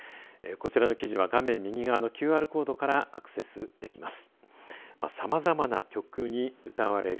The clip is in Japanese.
こちらの記事は画面右側のＱＲコードからアクセスできます。